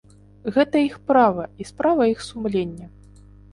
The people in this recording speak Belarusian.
Гэта іх права і справа іх сумлення.